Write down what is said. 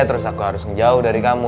terus aku harus menjauh dari kamu